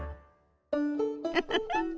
ウフフ。